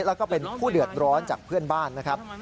แล้วก็เป็นผู้เดือดร้อนจากเพื่อนบ้านนะครับ